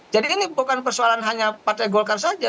jadi ini bukan persoalan hanya partai golkar saja